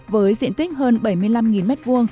với diện tích hơn bảy mươi triệu